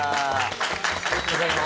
ありがとうございます。